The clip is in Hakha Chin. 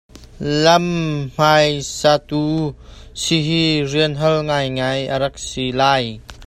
Lam hmaisatu si hi rian har ngaingai a rak si lai.